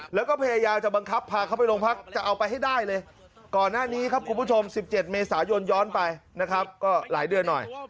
แล้วก็พยายามจะบังคับพาเขาไปโรงพักจะเอาไปให้ได้เลยก่อนหน้านี้ครับคุณผู้ชม๑๗เมษายนย้อนไปนะครับก็หลายเดือนหน่อย